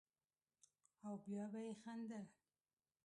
او بيا به يې خندل.